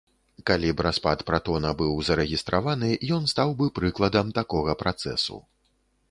Калі б распад пратона быў зарэгістраваны, ён стаў бы прыкладам такога працэсу.